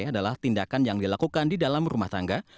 adalah tindakan yang dilakukan di dalam rumah tangga